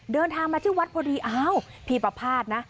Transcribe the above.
เดินทางมาที่วัดพอดีพี่ประพาทนะ